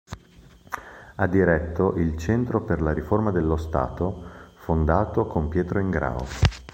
Ha diretto il Centro per la Riforma dello Stato, fondato con Pietro Ingrao.